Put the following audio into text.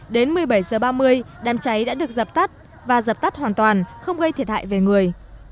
đến một mươi bảy h ba mươi đám cháy đã được dập tắt và dập tắt hoàn toàn không gây thiệt hại về người